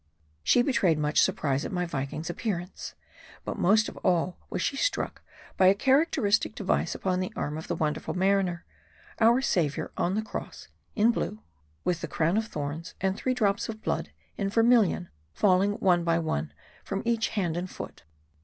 She betrayed much surprise at my Viking's appearance. But most of all was she struck by a characteristic device upon the arm of the wonderful mariner our Saviour on the cross, in blue ; with the crown of thorns, and three drops of blood in vermilion, falling one by one from each hand and foot.